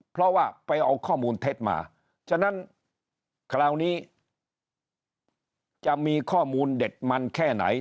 เพราะว่าไปเอาข้อมูลเท็จมาฉะนั้นคราวนี้จะมีข้อมูลเด็ดมันแค่ไหน